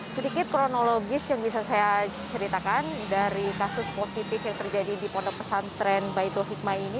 sedikit kronologis yang bisa saya ceritakan dari kasus positif yang terjadi di pondok pesantren baitul hikmah ini